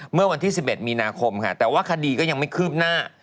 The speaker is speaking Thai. เมื่อวันที่๑๑มีนาคมค่ะแต่ว่าคดีก็ยังไม่คืบหน้า